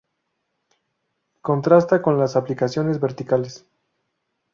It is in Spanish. Contrasta con las aplicaciones verticales.